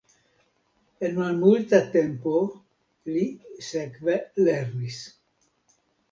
En malmulta tempo li sekve lernis.